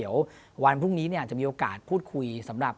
วันพรุ่งนี้จะมีโอกาสพูดคุย